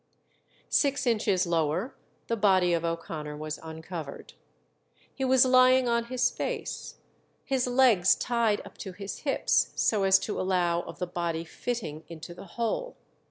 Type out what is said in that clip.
Six inches lower the body of O'Connor was uncovered. He was lying on his face, his legs tied up to his hips so as to allow of the body fitting into the hole.